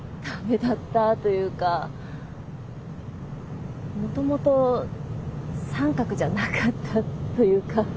ダメだったというかもともと三角じゃなかったというか。